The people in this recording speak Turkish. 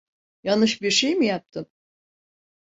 Yanlış bir şey mi yaptım?